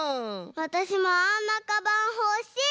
わたしもあんなかばんほしい！